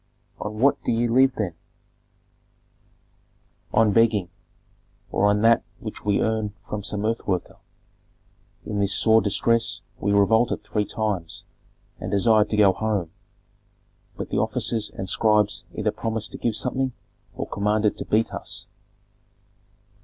"On what do ye live then?" "On begging, or on that which we earn from some earth worker. In this sore distress we revolted three times, and desired to go home. But the officers and scribes either promised to give something or commanded to beat us."